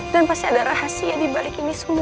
dan pasti ada rahasia di balik ini semua